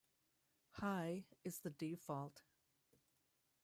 High is the default.